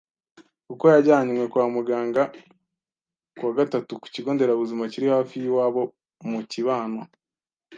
kuko yajyanywe kwa muganga ku wa gatatu ku kigo nderabuzima kiri hafi y'iwabo mu Kibano,